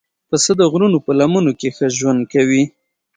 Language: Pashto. پسه د غرونو په لمنو کې ښه ژوند کوي.